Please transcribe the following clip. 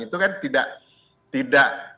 itu kan tidak